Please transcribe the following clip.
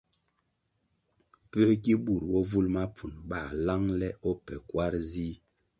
Puē gi bur bovul mapfunʼ ba lang le o pa kwar zih?